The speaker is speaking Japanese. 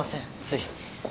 つい。